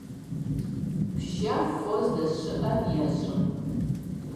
Бжьэм фо здэщыIэр ещIэ.